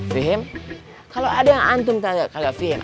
fihim kalau ada yang tidak fihim